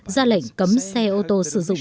ra lệnh cấm xe ô tô sử dụng